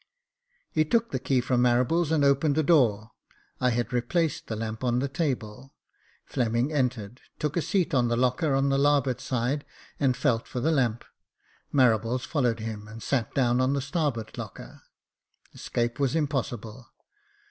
He took the key from Marables, and opened the door ; I had replaced the lamp upon the table. Fleming entered, took a seat on the locker on the larboard side, and felt for the lamp. Marables followed him, and sat down on the starboard locker ;— escape was impossible.